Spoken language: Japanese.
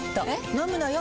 飲むのよ。